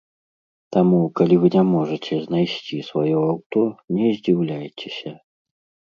Таму, калі вы не можаце знайсці сваё аўто, не здзіўляйцеся.